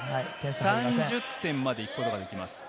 ３０点まで行くことができます。